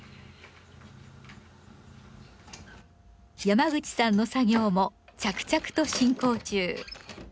山口さんの作業も着々と進行中。